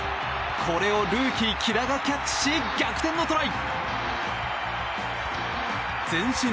これをルーキー、木田がキャッチし逆転のトライ！